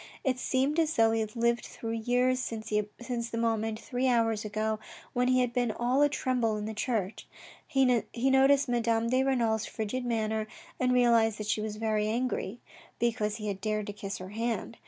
It seemed as though he had lived through years since the moment, three hours ago, when he had been all atremble in the church. He noticed Madame de Renal's frigid manner and realised that she was very angry, because he had dared to kiss her hand.